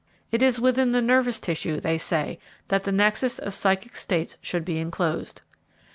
It is within the nervous tissue, they say, that the nexus of psychic states should be enclosed.